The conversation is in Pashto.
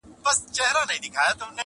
څوک چي ستا په قلمرو کي کړي ښکارونه؛